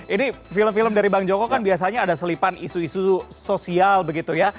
ini film film dari bang joko kan biasanya ada selipan isu isu sosial begitu ya